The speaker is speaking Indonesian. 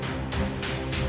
aku akan menunggu